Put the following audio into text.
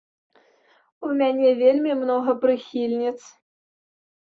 У мяне вельмі многа прыхільніц!